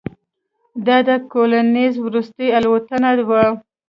دا د کولینز وروستۍ الوتنه وه.